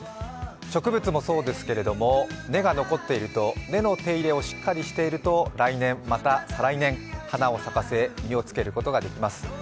植物もそうですけれども、根が残っていると根の手入れをしっかりしていると来年、また再来年と花を咲かせ、実をつけることができます。